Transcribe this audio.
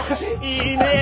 いいねェ